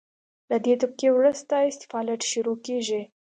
له دې طبقې وروسته اسفالټ شروع کیږي